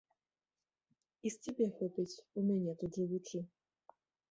І з цябе хопіць, у мяне тут жывучы.